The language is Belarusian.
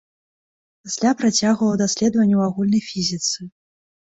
Пасля, працягваў даследаванні ў агульнай фізіцы.